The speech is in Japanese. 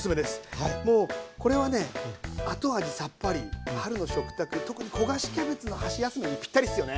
もうこれはね後味さっぱり春の食卓特に焦がしキャベツの箸休めにぴったりっすよね。